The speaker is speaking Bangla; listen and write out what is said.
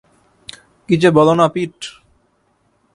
কী যে বলো না, পিট।